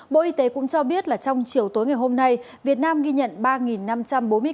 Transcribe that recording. bộ y tế cũng cho biết trong chiều tối ngày hôm nay việt nam ghi nhận ba năm trăm bốn mươi ca nhiễm mới